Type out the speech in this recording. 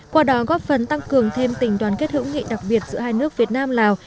qua đó góp phần tăng cường thêm tình đoàn kết hữu nghị đặc biệt giữa hai nước việt nam lào